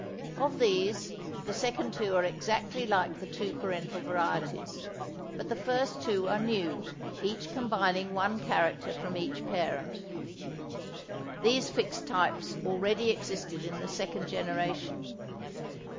Of these the second two are exactly like the two parental varieties, but the first two are new, each combining one character from each parent. These fixed types already existed in the second generation.